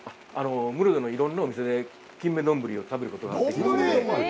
室戸のいろんなお店でキンメ丼を食べることができます。